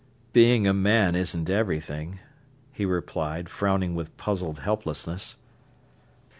"Being a man isn't everything," he replied, frowning with puzzled helplessness.